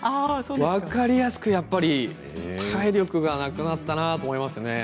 分かりやすく、やっぱり体力がなくなったなと思いますね。